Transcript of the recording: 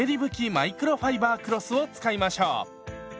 マイクロファイバークロスを使いましょう。